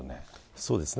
そうですね。